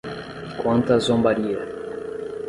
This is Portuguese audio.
Quanta zombaria